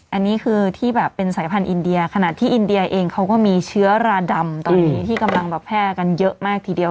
อันนี้คือที่แบบเป็นสายพันธุอินเดียขนาดที่อินเดียเองเขาก็มีเชื้อราดำตอนนี้ที่กำลังแบบแพร่กันเยอะมากทีเดียว